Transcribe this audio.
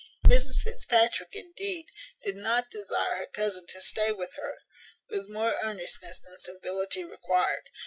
Mrs Fitzpatrick, indeed, did not desire her cousin to stay with her with more earnestness than civility required.